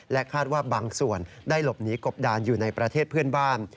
คาดว่าบางส่วนได้หลบหนีกบดานอยู่ในประเทศเพื่อนบ้าน